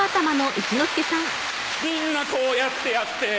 みんなこうやってやって。